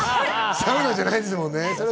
サウナじゃないですもんね。